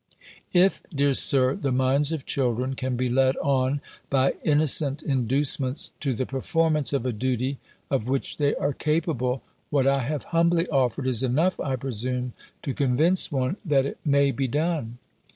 If, dear Sir, the minds of children can be led on by innocent inducements to the performance of a duty, of which they are capable, what I have humbly offered, is enough, I presume, to convince one, that it may be done.